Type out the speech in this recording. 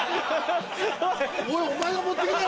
おいお前が持ってくなよ！